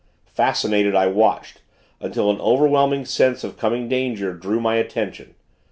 Fascinated, I watched, until an overwhelming sense of coming danger, drew my attention.